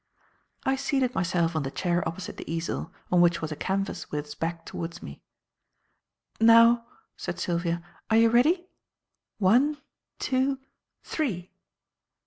I seated myself on the chair opposite the easel, on which was a canvas with its back towards me. "Now," said Sylvia. "Are you ready? One, two, three!"